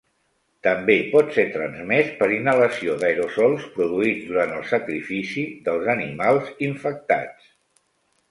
També pot ser transmès per inhalació d'aerosols produïts durant el sacrifici dels animals infectats.